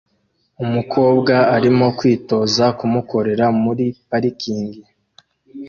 Umukobwa arimo kwitoza kumukorera muri parikingi